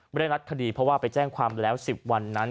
ไม่ได้รัดคดีเพราะว่าไปแจ้งความแล้ว๑๐วันนั้น